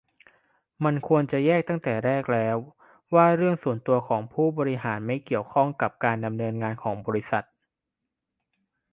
มันควรจะแยกตั้งแต่แรกแล้ว ว่าเรื่องส่วนตัวของผู้บริหารไม่เกี่ยวข้องกับการดำเนินงานของบริษัท